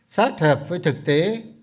xác hợp với thực tế